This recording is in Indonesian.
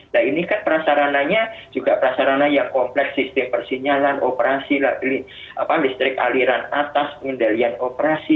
nah ini kan prasarananya juga prasarana yang kompleks sistem persinyalan operasi listrik aliran atas pengendalian operasi